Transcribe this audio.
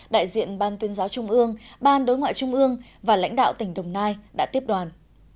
đại diện ban tuyên giáo trung ương ban đối ngoại trung ương và lãnh đạo tỉnh đồng nai đã tiếp đoàn